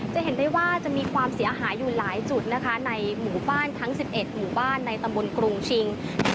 จะเห็นได้ว่าจะมีความเสียหายอยู่หลายจุดนะคะในหมู่บ้านทั้ง๑๑หมู่บ้านในตำบลกรุงชิง